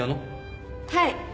はい。